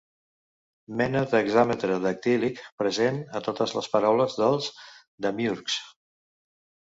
Mena d'hexàmetre dactílic present a totes les paraules dels demiürgs.